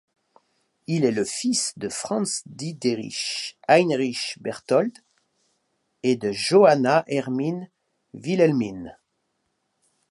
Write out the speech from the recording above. Il est le fils de Franz Diederich Heinrich Berthold et de Johanna Hermine Wilhelmine.